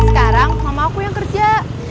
sekarang sama aku yang kerja